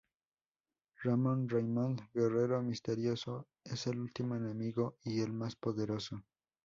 Ramon "Raymond" Guerrero Misterioso: Es el último enemigo y el más poderoso.